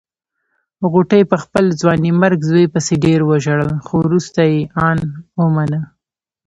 غوټۍ په خپل ځوانيمرګ زوی پسې ډېر وژړل خو روسته يې ان ومانه.